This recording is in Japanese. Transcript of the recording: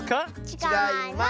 ちがいます。